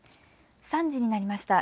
３時になりました。